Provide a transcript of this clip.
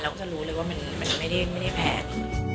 ก็จะรู้เลยว่ามันไม่ได้แพง